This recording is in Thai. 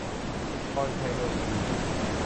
พรชัย โลหิตดี